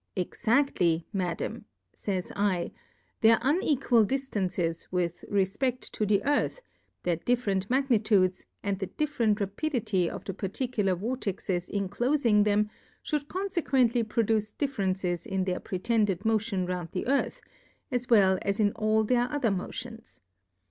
Exaftly, Madam, fays /, their unequal Diftances, w^ith refpefb to the Earth, their difte rent Magnitudes, and the different Ra pidity of the particular Vortexes in clofing them, fliould confequently pro duce Differences in their pretended Mo tion round the Earth, as well as in all their other Motions.